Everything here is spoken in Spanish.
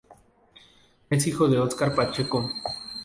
Es hijo de Óscar Pacheco.